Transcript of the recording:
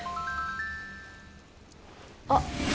あっ。